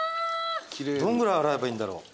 どんぐらい洗えばいいんだろう。